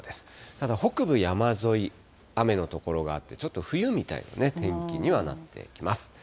ただ、北部山沿い、雨の所があって、ちょっと冬みたいなね、天気にはなってきます。